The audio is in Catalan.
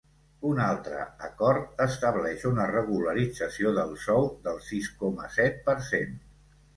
Un altre acord estableix una regularització del sou del sis coma set per cent.